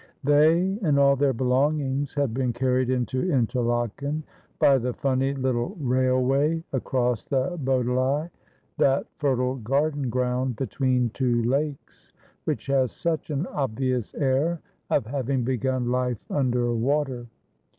They and all their belongings had been carried into Interlaken by the funny little railway across the Bodelei, that fertile garden ground between two lakes, which has such an obvious air of having begun life under water.